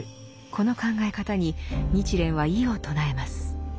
この考え方に日蓮は異を唱えます。